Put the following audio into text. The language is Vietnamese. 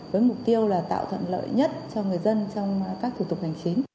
với mục tiêu là tạo thuận lợi nhất cho người dân trong các thủ tục hành chính